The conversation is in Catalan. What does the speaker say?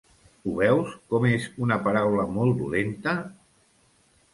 Ho veus com és una paraula molt dolenta!